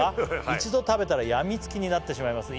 「一度食べたら病みつきになってしまいます」